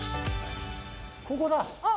ここだ。